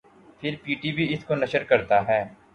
پھر P T V اس کو نشر کرتا ہے